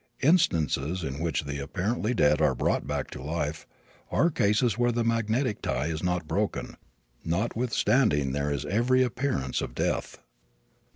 Instances in which the apparently dead are brought back to life are cases where the magnetic tie is not broken, notwithstanding there is every appearance of death.